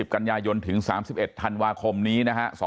๒๐กัญญายนถึง๓๑ธันวาคมนี้